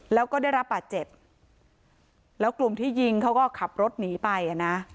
แล้วก็ได้รับบาดเจ็บแล้วกลุ่มที่ยิงเขาก็ขับรถหนีไปอ่ะนะ